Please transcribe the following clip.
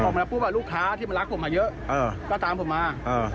ผมก็พูดว่าลูกค้าที่มันรักผมเยอะก็ตามผมมา